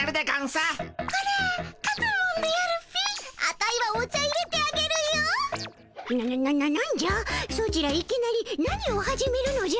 ソチらいきなり何を始めるのじゃ？